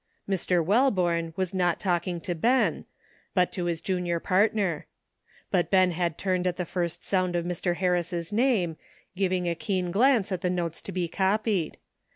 Mr. Welborne was not talking to Ben, but to his junior partner; but Ben had turned at the first sound of Mr. Harris's name, giving a keen glance at the notes to be copied.